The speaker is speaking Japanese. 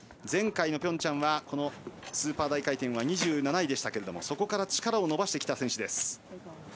前回ピョンチャンはスーパー大回転は２７位でしたがそこから力を伸ばしてきた選手。